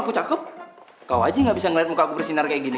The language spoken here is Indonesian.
siakep kau aja nggak bisa ngeliat muka aku bersinar kayak gini